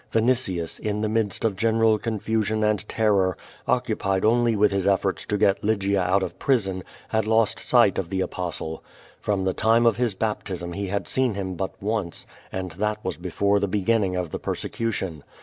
Vinitius, in the midst of general confusion and terror, occupied only with his elforts to get Lygia out of prison, had lost sight of the Apostle. From the time of his l)a))tism he had seen him hut once, and that was before the beginning of the persecution.